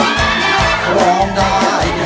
คุณตั้มร้องใจครับ